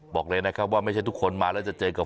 บอกเลยนะครับว่าไม่ใช่ทุกคนมาแล้วจะเจอกับ